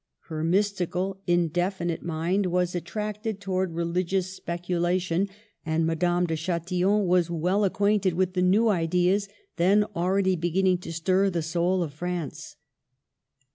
Her mystical, indefinite mind was attracted CHILDHOOD AND MARRIAGE, 27 towards religious speculation, and Madame de Chatillon was well acquainted with the New Ideas then already beginning to stir the soul of France.